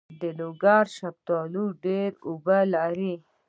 د لوګر شفتالو ډیر اوبه لري.